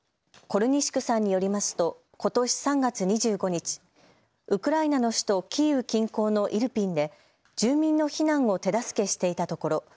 コルニシュクさんによりますとことし３月２５日、ウクライナの首都キーウ近郊のイルピンで住民の避難を手助けしていたところ